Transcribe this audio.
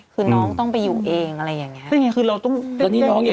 คือน้องต้องไปอยู่เองอะไรอย่างนี้